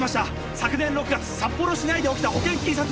昨年６月札幌市内で起きた保険金殺人の裁判で。